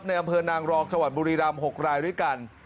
ในอำเภอนางรองชาวนบุรีราม๖รายด้วยกัน